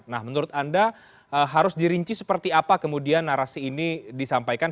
nah menurut anda harus dirinci seperti apa kemudian narasi ini disampaikan